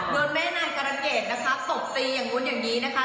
แม่นายการันเกดนะคะตบตีอย่างนู้นอย่างนี้นะคะ